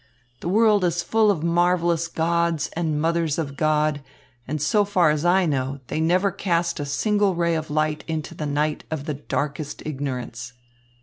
The world is full of marvellous gods and mothers of God, and so far as I know, they never cast a single ray of light into the night of the darkest ignorance."